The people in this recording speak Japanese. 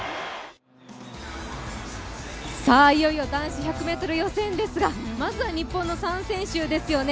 いよいよ男子１００ｍ予選ですが、まずは日本の３選手ですよね。